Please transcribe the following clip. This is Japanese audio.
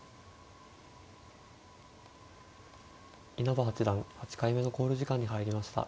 稲葉八段８回目の考慮時間に入りました。